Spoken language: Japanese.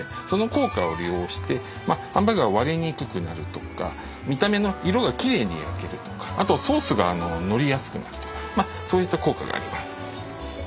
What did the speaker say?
その効果を利用してハンバーグが割れにくくなるとか見た目の色がきれいに焼けるとかあとソースがのりやすくなるとかそういった効果があります。